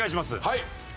はい。